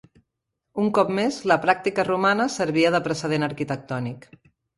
Un cop més, la pràctica romana servia de precedent arquitectònic.